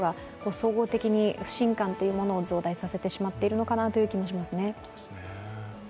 総合的に不信感というものを増大させてしまっているのかなという気がしますね。